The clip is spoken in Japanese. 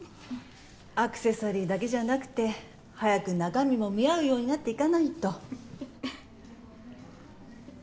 アクセサリーだけじゃなくて早く中身も見合うようになっていかないと。